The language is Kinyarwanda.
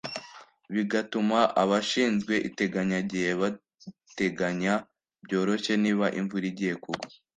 bigatuma abashinzwe iteganyagihe bateganya byoroshye niba imvura igiye kugwa